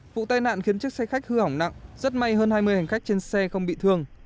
vụ tai nạn khiến chiếc xe khách hư hỏng nặng rất may hơn hai mươi hành khách trên xe không bị thương